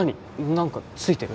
何かついてる？